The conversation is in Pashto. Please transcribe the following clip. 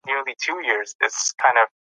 د هر مامور دندې يې روښانه کړې.